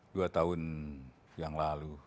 dua tahun yang lalu